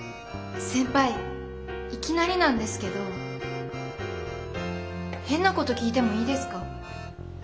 先輩いきなりなんですけど変なこと聞いてもいいですか？